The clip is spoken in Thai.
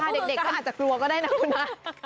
เด็กอาจจะลดกลัวก็ได้แล้วกูนะ